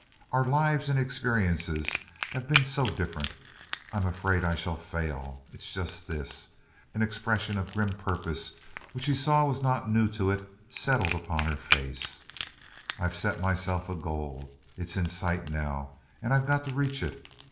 Our lives and experiences have been so different. I'm afraid I shall fail. It's just this " an expression of grim purpose which he saw was not new to it settled upon her face "I've set myself a goal; it's in sight now and I've got to reach it.